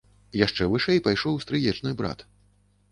Яшчэ вышэй пайшоў стрыечны брат.